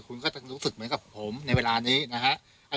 คุณก็จะรู้สึกเหมือนกับผมในเวลานี้นะฮะ